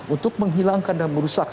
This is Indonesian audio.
untuk menghilangkan dan merusakkan